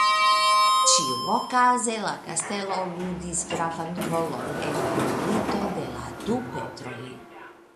Ĉiuokaze la kastelo ludis gravan rolon en la Milito de la du Petroj.